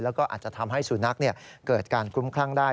แล้วก็อาจจะทำให้สุนัขเกิดการคลุ้มคลั่งได้